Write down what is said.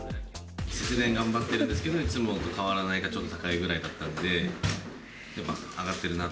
節電頑張ってるんですけど、いつもと変わらないか、ちょっと高いぐらいな感じだったんで、やっぱ上がってるなって